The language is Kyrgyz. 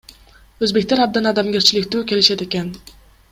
Өзбектер абдан адамгерчиликтүү келишет экен.